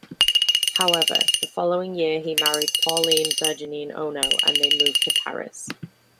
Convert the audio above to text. However, the following year he married Pauline-Virginie Ono, and they moved to Paris.